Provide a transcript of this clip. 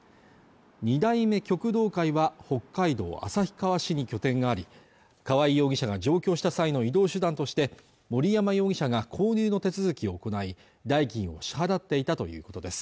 ２代目旭導会は北海道旭川市に拠点があり川合容疑者が上京した際の移動手段として森山容疑者が購入の手続きを行い代金を支払っていたということです